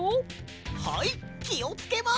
はいきをつけます！